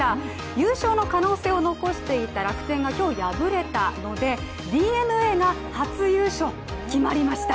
優勝の可能性を残していた楽天が今日敗れたので、ＤｅＮＡが初優勝、決まりました。